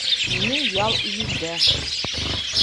Минең ял июлдә